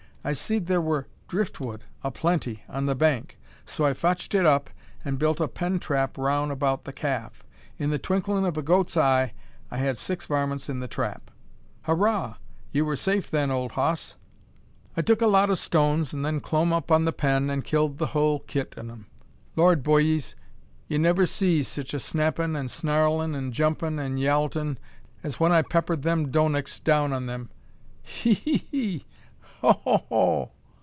I seed thur wur drift wood a plenty on the bank, so I fotched it up, an' built a pen trap roun' about the calf. In the twinklin' o' a goat's eye I had six varmints in the trap." "Hooraw! Ye war safe then, old hoss." "I tuk a lot o' stones, an' then clomb up on the pen, an' killed the hul kit on 'em. Lord, boyees! 'ee never seed sich a snappin', and snarlin', and jumpin', an' yowltin', as when I peppered them donicks down on 'em. He! he! he! Ho! ho! hoo!"